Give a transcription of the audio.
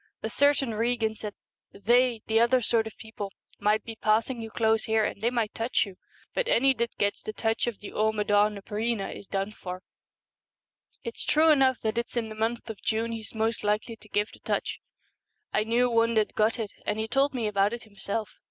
A certain Regan said, " They, the other sort of people, might be passing you close here and they might touch you. But any that gets the touch of the Amaddn na Breena is done for." It's true enough that it's in the month of June he's most likely to give the touch. I knew one that got it, and he told me about it himself.